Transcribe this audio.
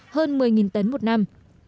hơn một mươi tấn một năm